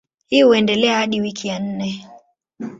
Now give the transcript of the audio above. Hii huendelea hadi wiki ya nne.